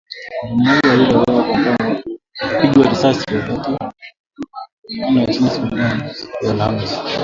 Waandamanaji wawili waliuawa kwa kupigwa risasi wakati wa maandamano nchini Sudan siku ya Alhamis.